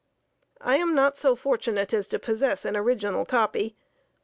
I am not so fortunate as to possess an original copy.